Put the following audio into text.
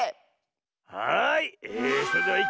はい！